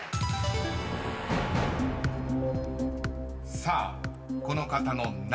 ［さあこの方の名前］